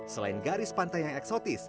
selain garis pantai yang eksotis